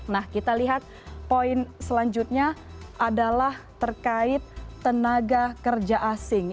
nah kita lihat poin selanjutnya adalah terkait tenaga kerja asing